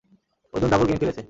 Arjun double game খেলেছে।